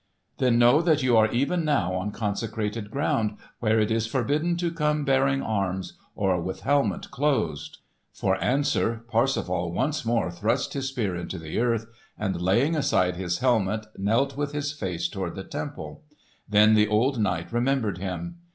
Then know that you are even now on consecrated ground, where it is forbidden to come bearing arms or with helmet closed." For answer Parsifal once more thrust his Spear into the earth, and laying aside his helmet knelt with his face toward the temple. Then the old knight remembered him.